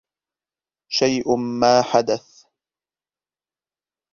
شيء ما حدث.